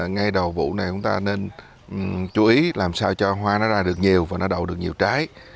ngay đầu vụ này chúng ta nên chú ý làm sao cho hoa nó ra được nhiều và nó đậu được nhiều trái